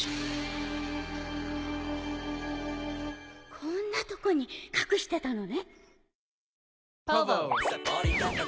こんなとこに隠してたのね。